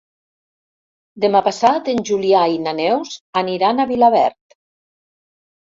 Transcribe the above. Demà passat en Julià i na Neus aniran a Vilaverd.